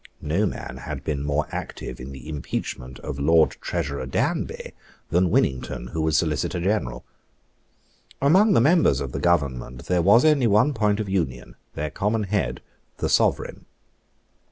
No man had been more active in the impeachment of the Lord Treasurer Danby than Winnington, who was Solicitor General. Among the members of the Government there was only one point of union, their common head, the Sovereign.